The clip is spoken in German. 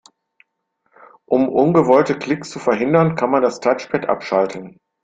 Um ungewollte Klicks zu verhindern, kann man das Touchpad abschalten.